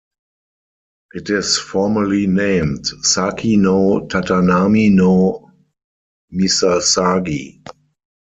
It is formally named "Saki no Tatanami no misasagi".